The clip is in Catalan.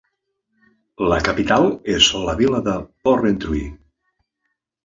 La capital és la vila de Porrentruy.